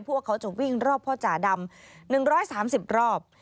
พวกเขาจะวิ่งรอบพ่อจ่าดำ๑๓๐รอบ